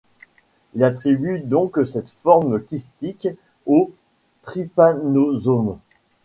Il attribue donc cette forme kystique au trypanosome.